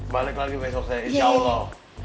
balik lagi besok saya insya allah